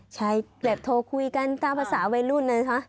ใช่แบบโทรคุยกันตามภาษาวัยรุ่นนะคะ